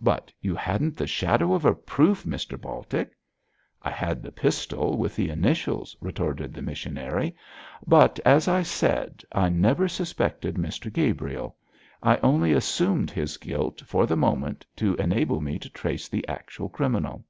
'But you hadn't the shadow of a proof, Mr Baltic.' 'I had the pistol with the initials,' retorted the missionary, 'but, as I said, I never suspected Mr Gabriel. I only assumed his guilt for the moment to enable me to trace the actual criminal.